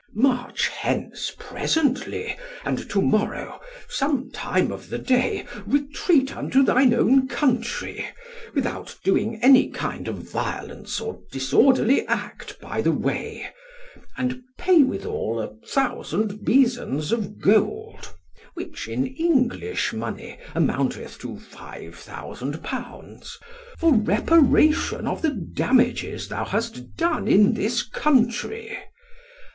March hence presently, and to morrow, some time of the day, retreat unto thine own country, without doing any kind of violence or disorderly act by the way; and pay withal a thousand besans of gold (which, in English money, amounteth to five thousand pounds), for reparation of the damages thou hast done in this country.